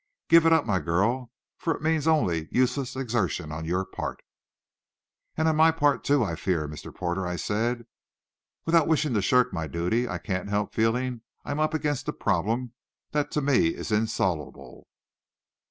Give it up, my girl, for it means only useless exertion on your part." "And on my part too, I fear, Mr. Porter," I said. "Without wishing to shirk my duty, I can't help feeling I'm up against a problem that to me is insoluble.